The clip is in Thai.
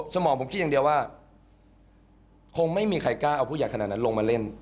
สมองผมคิดอย่างเดียวว่าคงไม่มีใครกล้าเอาผู้ใหญ่ขนาดนั้นลงมาเล่น